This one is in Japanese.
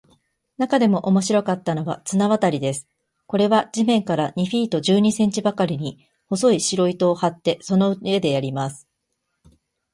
なかでも面白かったのは、綱渡りです。これは地面から二フィート十二インチばかりに、細い白糸を張って、その上でやります。